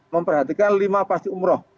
memperhatikan lima pasti umroh